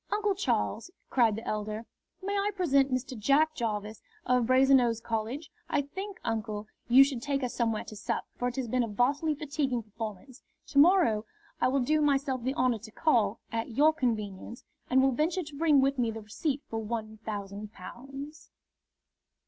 "Uncle Charles!" cried the elder, "may I present Mr. Jack Jarvis, of Brasenose College? I think, uncle, you should take us somewhere to sup, for it has been a vastly fatiguing performance. To morrow I will do myself the honour to call, at your convenience, and will venture to bring with me the receipt for one thousand pounds."